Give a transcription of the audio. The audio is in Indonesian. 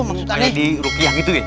kayak di rukiah gitu ya